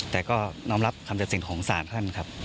แต่ก็น้องรับคำเจ็บสิ่งของศาลท่านครับ